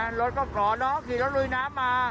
เป็นรถบุรีต่อเนื่องที่เรื่องของไฟไหม้เลยนะคะเดี๋ยวพาไปที่รถบุรี